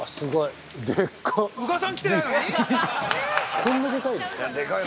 こんなでかいの？